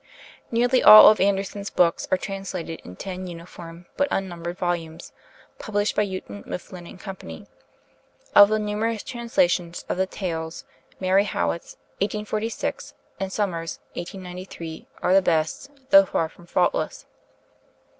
Nearly all of Andersen's books are translated in ten uniform but unnumbered volumes, published by Houghton, Mifflin and Company. Of the numerous translations of the 'Tales,' Mary Howitt's (1846) and Sommer's (1893) are the best, though far from faultless.